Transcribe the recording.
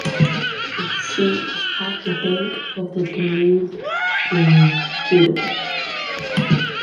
Its seat is at the bank of the Danube in Budapest.